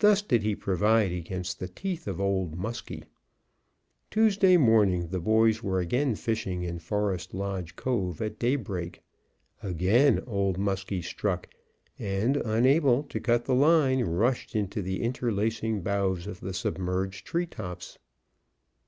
Thus did he provide against the teeth of Old Muskie. Tuesday morning the boys were again fishing in Forest Lodge Cove at daybreak. Again Old Muskie struck, and unable to cut the line, rushed into the interlacing boughs of the submerged treetops.